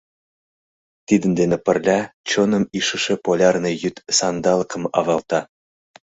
Тидын дене пырля чоным ишыше полярный йӱд сандалыкым авалта.